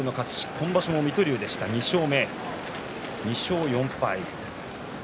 今場所も水戸龍でした、２勝目２勝４敗。